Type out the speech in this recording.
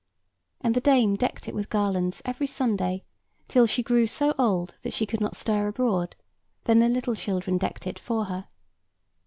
And the dame decked it with garlands every Sunday, till she grew so old that she could not stir abroad; then the little children decked it, for her.